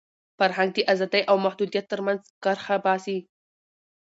فرهنګ د ازادۍ او محدودیت تر منځ کرښه باسي.